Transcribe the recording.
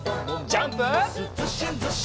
ジャンプ！